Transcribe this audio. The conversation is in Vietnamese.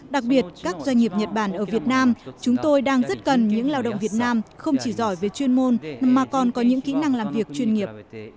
đặc biệt các doanh nghiệp nhật bản ở việt nam chúng tôi đang rất cần những lao động việt nam không chỉ giỏi về chuyên môn mà còn có những kỹ năng làm việc chuyên nghiệp